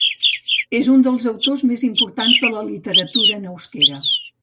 És un dels autors més importants de la literatura en euskera.